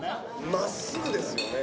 真っすぐですよね。